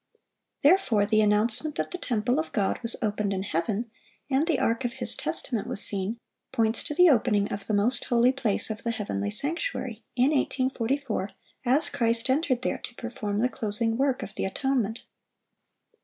Therefore the announcement that the temple of God was opened in heaven, and the ark of His testament was seen, points to the opening of the most holy place of the heavenly sanctuary, in 1844, as Christ entered there to perform the closing work of the atonement.